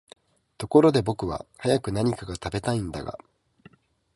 ところで僕は早く何か喰べたいんだが、